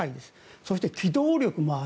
そして機動力もある。